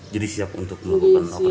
jadi siap untuk melakukan operasi ya